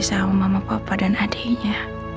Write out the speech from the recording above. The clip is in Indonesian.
sama mama papa dan adiknya